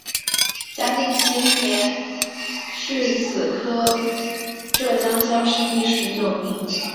嘉靖七年戊子科浙江乡试第十九名。